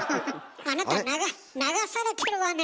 あなた流されてるわね。